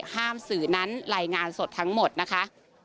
ห้ามสื่อนั้นรายงานสดทั้งหมดนะคะ